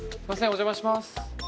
お邪魔します